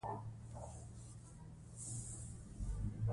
د تیلو بیې په هر څه اغیز لري.